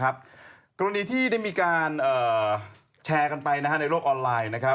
กรณีที่ได้มีการแชร์กันไปในโลกออนไลน์